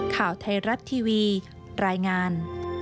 ข่าวไทยรัฐทีวีรายงาน